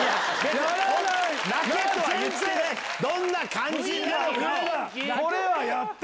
どんな感じなのかを。